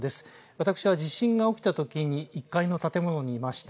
私は地震が起きた時に１階の建物にいました。